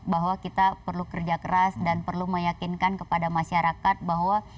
bahwa kita perlu kerja keras dan perlu meyakinkan kepada masyarakat bahwa